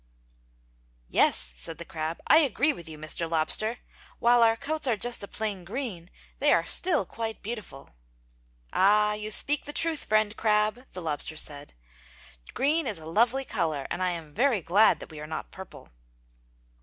"Yes," said the crab, "I agree with you, Mr. Lobster! While our coats are just a plain green they are still quite beautiful!" "Ah! You speak the truth, Friend Crab," the lobster replied, "Green is a lovely color and I am very glad that we are not purple!"